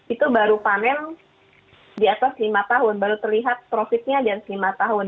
itu baru panen di atas lima tahun baru terlihat profitnya di atas lima tahun